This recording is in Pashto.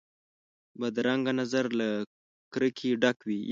بدرنګه نظر له کرکې ډک وي